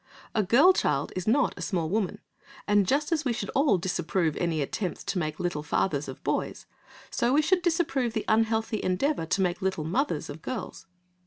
A girl child is not a small woman, and just as we should all disapprove any attempt to make "little fathers" of the boys, so we should disapprove the unhealthy endeavour to make "little mothers" of the girls.